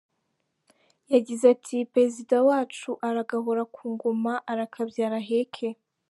Yagize ati “Perezida wacu aragahora ku ngoma, arakabyara aheke.